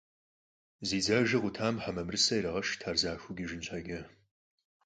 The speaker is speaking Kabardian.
Зи дзажэ къутам хьэ мырамысэ ирагъэшхырт, ар захуэу кӀыжын щхьэкӀэ.